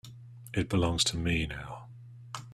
It belongs to me now.